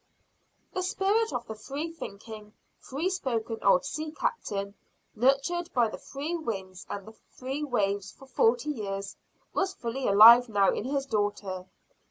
The spirit of the free thinking, free spoken old sea captain nurtured by the free winds and the free waves for forty years was fully alive now in his daughter.